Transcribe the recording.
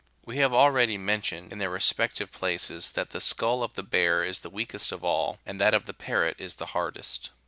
We have already mentioned, in their respective84 places, that the skull of the bear is the weakest of all, and that of the parrot the hardest.